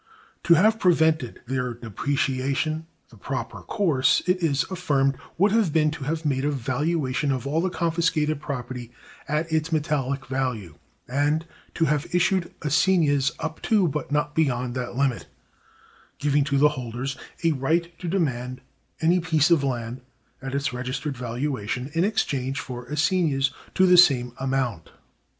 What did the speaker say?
To have prevented their depreciation, the proper course, it is affirmed, would have been to have made a valuation of all the confiscated property at its metallic value, and to have issued assignats up to, but not beyond, that limit; giving to the holders a right to demand any piece of land, at its registered valuation, in exchange for assignats to the same amount.